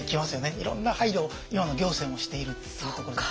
いろんな配慮を今の行政もしているっていうところで。